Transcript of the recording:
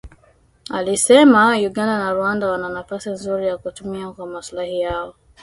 alisema Uganda na Rwanda wana nafasi nzuri ya kutumia kwa maslahi yao